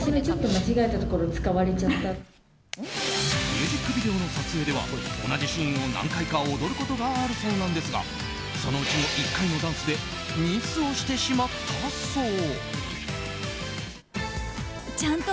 ミュージックビデオの撮影では同じシーンを何回か踊ることがあるそうなんですがそのうちの１回のダンスでミスをしてしまったそう。